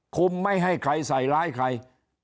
ไม่ให้ใครใส่ร้ายใคร